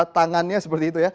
tangannya seperti itu